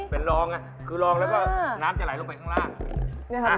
เป็นรองอ่ะคือรองแล้วก็น้ำจะไหลลงไปข้างล่างนะฮะ